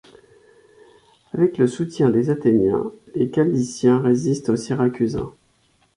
Avec le soutien des Athéniens, les Chalcidiens résistent aux Syracusains.